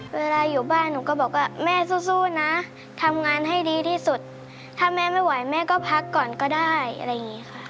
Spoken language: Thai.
เวลาอยู่บ้านหนูก็บอกว่าแม่สู้นะทำงานให้ดีที่สุดถ้าแม่ไม่ไหวแม่ก็พักก่อนก็ได้อะไรอย่างนี้ค่ะ